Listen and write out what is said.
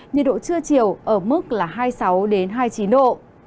nhiệt độ chưa chiều ở mức hai mươi sáu hai mươi chín độ